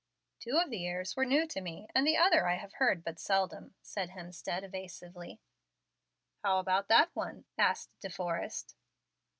"Two of the airs were new to me, and the other I have heard but seldom," said Hemstead, evasively. "How about that one?" asked De Forrest.